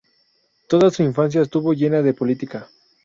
Toda su infancia estuvo llena de política.